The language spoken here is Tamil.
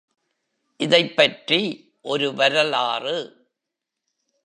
இதைப்பற்றி ஒரு வரலாறு.